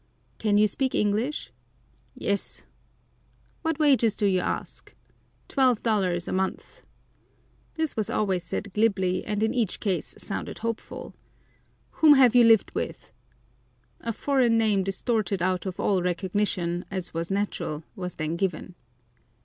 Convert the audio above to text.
Can you speak English? "Yes." What wages do you ask? "Twelve dollars a month." This was always said glibly, and in each case sounded hopeful. Whom have you lived with? A foreign name distorted out of all recognition, as was natural, was then given.